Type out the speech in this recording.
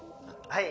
はい。